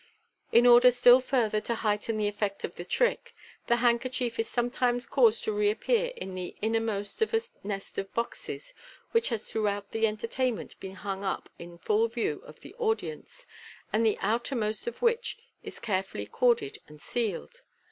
In order still further to heighten the effect of the trick, the hand kerchief is sometimes caused to reappear in the innermost of a nest of boxes which has throughout the entertainment been hung up in full view of the audience, and the outermost of which is carefully corded and sealed.